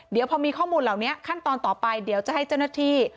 เดี๋ยวพอมีข้อมูลเหล่านี้ขั้นตอนต่อไปเดี๋ยวจะให้เจ้าหน้าที่